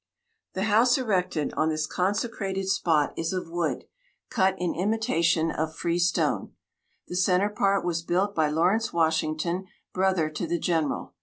The house erected on this consecrated spot is of wood, cut in imitation of freestone. The centre part was built by Lawrence Washington, brother to the General.